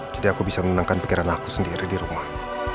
jadi aku bisa menenangkan pikiran aku sendiri di rumah